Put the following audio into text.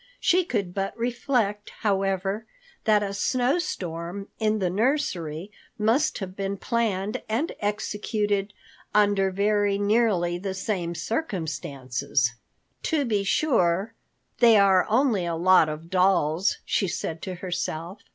She could but reflect, however, that a snow storm in the nursery must have been planned and executed under very nearly the same circumstances. "To be sure, they are only a lot of dolls," she said to herself.